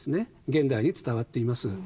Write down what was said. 現代に伝わっています。